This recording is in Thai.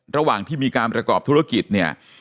ระหว่างที่มีการประกอบธุรกิจเนี่ย